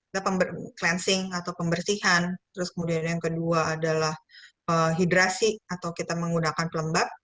ada cleansing atau pembersihan terus kemudian yang kedua adalah hidrasi atau kita menggunakan pelembab